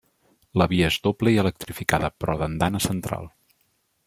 La via és doble i electrificada, però d'andana central.